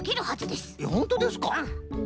ほんとですか？